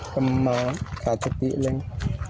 กำมั้งขาดสติเร่ง